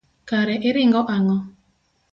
Kare iringo ang'o.